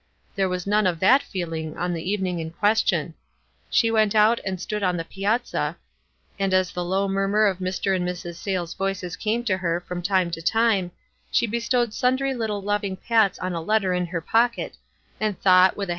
There was none of that feeling on the evening in question. She w T ent out and stood on the piazza, and as the low murmur of Mr. and Mrs. Sayles' voices came to her from time to time, she bestowed sundry little loving pats on a letter in her pocket, and thought, with a